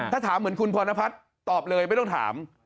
ถ้าถามเหมือนคุณพรณพัฒน์ตอบเลยไม่ต้องถาม